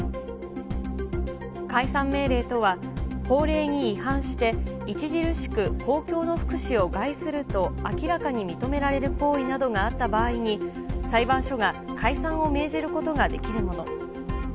解散命令とは、法令に違反して著しく公共の福祉を害すると明らかに認められる行為などがあった場合に、裁判所が解散を命じることができるもの。